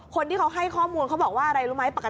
คนที่เขาให้ข้อมูลเขาบอกว่าอะไรรู้ไหมปกติ